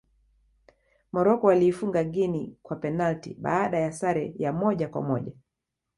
morocco waliifuga guinea kwa penati baada ya sare ya moja kwa moja